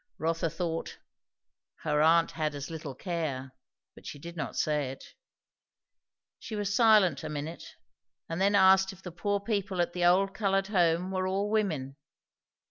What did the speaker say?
Rotha thought, her aunt had as little care; but she did not say it. She was silent a minute, and then asked if the poor people at the Old Coloured Home were all women?